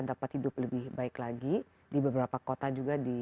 dapat hidup lebih baik lagi di beberapa kota juga di